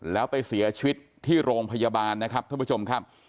แล้วไปเสียชีวิตที่โรงพยาบาลนะครับท่านผู้ชมครับ